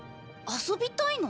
遊びたいの？